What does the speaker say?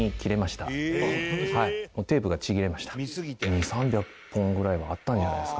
２００３００本ぐらいはあったんじゃないですかね？